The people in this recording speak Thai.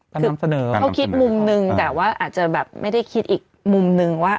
เขาคิดมุมนึงแต่ว่าอาจจะแบบไม่ได้คิดอีกมุมนึงว่า